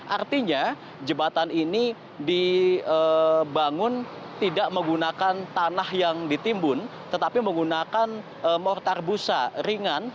artinya jembatan ini dibangun tidak menggunakan tanah yang ditimbun tetapi menggunakan mortar busa ringan